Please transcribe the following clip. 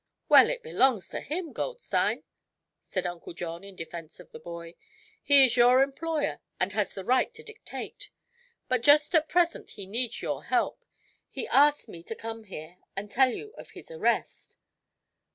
"Well, it belongs to him, Goldstein," said Uncle John, in defense of the boy. "He is your employer and has the right to dictate. But just at present he needs your help. He asked me to come here and tell you of his arrest."